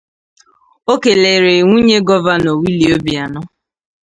O kelere nwunye Gọvanọ Willie Obianọ